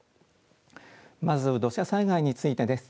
まず土砂災害についてです。